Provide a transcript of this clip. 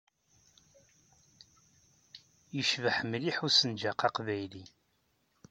Yecbeḥ mliḥ usenǧaq aqbayli!